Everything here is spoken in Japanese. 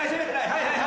はいはい。